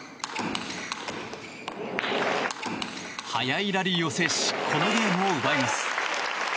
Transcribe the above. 速いラリーを制しこのゲームを奪います。